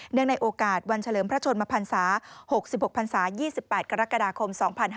เนื่องในโอกาสวันเฉลิมพระชนมภรรษา๖๖ภรรษา๒๘กรกฎาคม๒๕๖๑